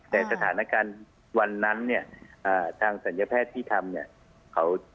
ในสถานการณ์วันนั้นทางสัญญแพทย์ที่ทำ